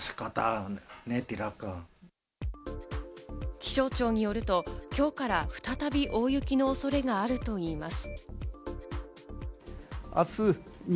気象庁によると、今日から再び大雪の恐れがあるといいます。